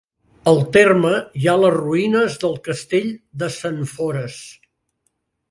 Al terme hi ha les ruïnes del castell de Sentfores.